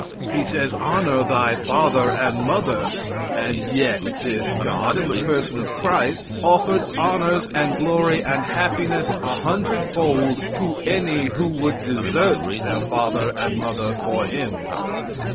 He says: "Honor thy father and mother," and yet this God, in the person of Christ, offered honors, and glory, and happiness a hundred fold to any who would desert their father and mother for Him.